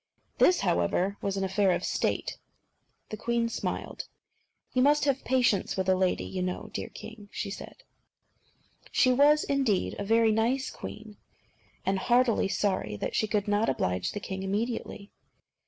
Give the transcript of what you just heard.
This, however, was an affair of State. The queen smiled. "You must have patience with a lady, you know, dear king," said she. She was, indeed, a very nice queen, and heartily sorry that she could not oblige the king immediately.